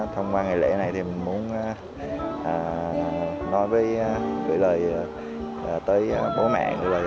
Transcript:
thông qua ngày lễ này thì mình muốn nói với gửi lời tới bố mẹ